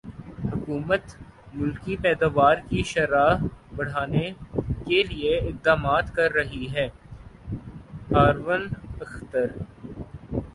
حکومت ملکی پیداوار کی شرح بڑھانے کیلئے اقدامات کر رہی ہےہارون اختر